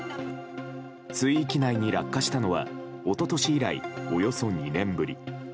水域内に落下したのは一昨年以来、およそ２年ぶり。